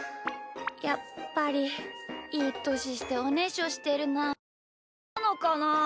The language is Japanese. やっぱりいいとししておねしょしてるのはみーだけなのかなあ。